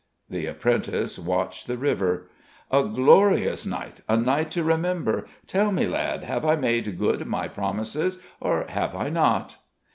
The apprentice watched the river. "A glorious night! A night to remember! Tell me, lad, have I made good my promises, or have I not?"